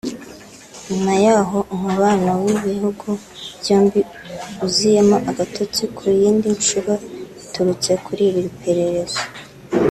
nyuma y’aho umubano w’ibihugu byombi uziyemo agatotsi ku yindi nshuro biturutse kuri iri perereza